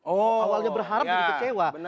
awalnya berharap jadi kecewa